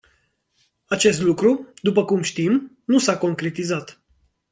Acest lucru, după cum știm, nu s-a concretizat.